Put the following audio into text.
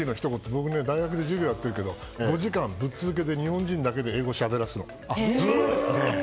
僕、大学で授業をやってるけど５時間ぶっ続けで日本人だけで英語しゃべらすの。